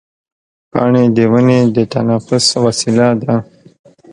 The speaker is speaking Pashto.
پاڼې د ونې د تنفس وسیله ده.